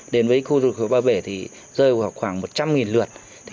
đến với khu du lịch hồ ba bể thì rơi vào khoảng một trăm linh lượt